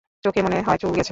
চোখে মনে হয় চুল গেছে।